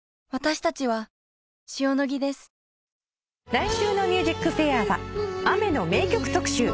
来週の『ＭＵＳＩＣＦＡＩＲ』は雨の名曲特集。